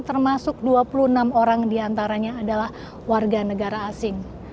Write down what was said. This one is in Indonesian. termasuk dua puluh enam orang diantaranya adalah warga negara asing